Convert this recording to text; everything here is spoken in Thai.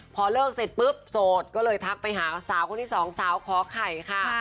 พอเลิกเสร็จปุ๊บโสดก็เลยทักไปหาสาวคนที่สองสาวขอไข่ค่ะ